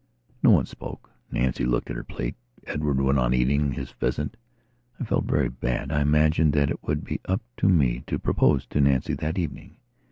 No one spoke. Nancy looked at her plate; Edward went on eating his pheasant. I felt very bad; I imagined that it would be up to me to propose to Nancy that evening.